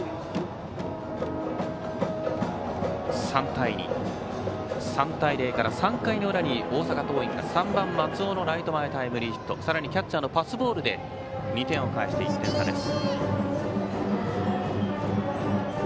３対２、３対０から３回の裏に大阪桐蔭は３番、松尾のライト前タイムリーヒットさらにキャッチャーのパスボールで２点を返して１点差です。